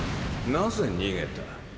なぜ逃げた？